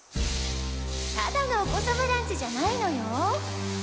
ただのお子さまランチじゃないのよ